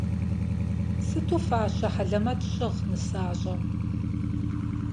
Сыту фащэ хьэлэмэт щыгъ нысащӏэм.